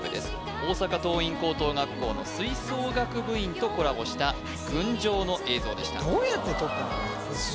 大阪桐蔭高等学校の吹奏楽部員とコラボした「群青」の映像でしたどうやって撮ったのこれ？